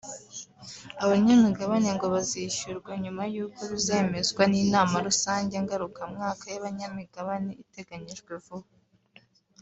Abanyamigabane ngo bazishyurwa nyuma y’uko bizemezwa n’inama rusange ngarukamwaka y’abanyamigabane iteganyijwe vuba